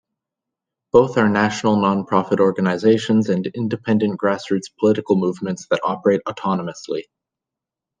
Both are national nonprofit organizations and independent grassroots political movements that operate autonomously.